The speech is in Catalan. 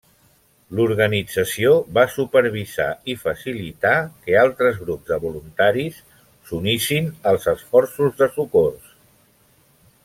L'organització va supervisar i facilitar que altres grups de voluntaris s'unissin als esforços de socors.